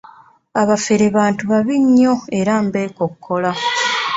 Abafere bantu babi nnyo era mbekokkola.